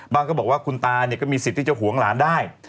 ก็บอกว่าคุณตาก็มีสิทธิ์ที่จะห่วงหลานได้